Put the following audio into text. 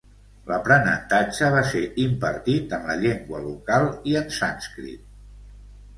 L'aprenentatge va ser impartit en la llengua local i en sànscrit.